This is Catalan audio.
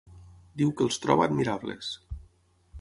Diu que els troba admirables.